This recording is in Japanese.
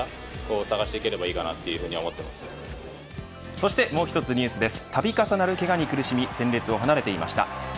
そしてもう一つニュースです。